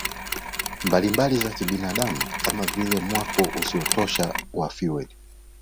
mbalimbali za kibinadamu kama vile mwako usiotosha wa fueli